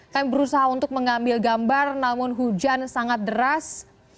kami berusaha untuk mengambil gambar namun hujan sangat deras